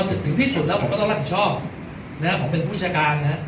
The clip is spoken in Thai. ถึงที่สุดแล้วผมก็ต้องรับผิดชอบนะฮะผมเป็นผู้จัดการนะฮะ